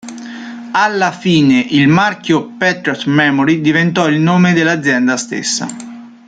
Alla fine il marchio Patriot Memory diventò il nome dell'azienda stessa.